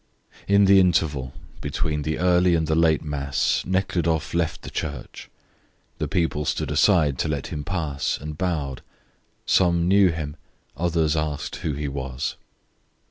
In the interval between the early and the late mass Nekhludoff left the church. The people stood aside to let him pass, and bowed. Some knew him; others asked who he was.